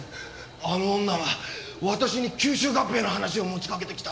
あの女は私に吸収合併の話を持ちかけてきた。